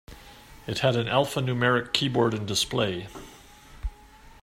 It had an alphanumeric keyboard and display.